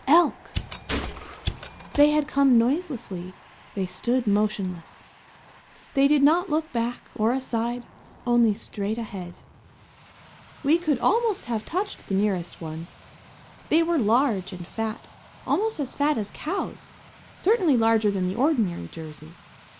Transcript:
Elk! They had come noiselessly, they stood motionless. They did not look back or aside, only straight ahead. We could almost have touched the nearest one. They were large and fat, almost as fat as cows; certainly larger than the ordinary Jersey.